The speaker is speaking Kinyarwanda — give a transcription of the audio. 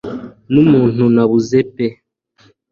Numuntu nabuze pe